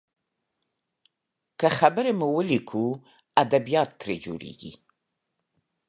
که خبرې مو وليکو، ادبيات ترې جوړیږي.